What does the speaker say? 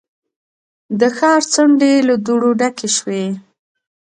د ښار څنډې له دوړو ډکې شوې.